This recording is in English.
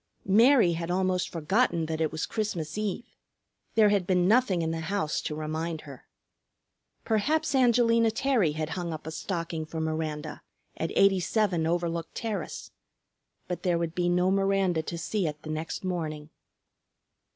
Mary had almost forgotten that it was Christmas Eve. There had been nothing in the house to remind her. Perhaps Angelina Terry had hung up a stocking for Miranda at 87 Overlook Terrace. But there would be no Miranda to see it the next morning.